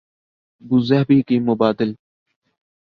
Abu Dhabi کی مبادل